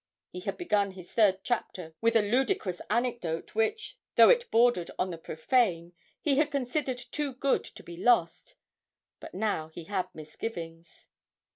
He had begun his third chapter with a ludicrous anecdote which, though it bordered on the profane, he had considered too good to be lost, but now he had misgivings.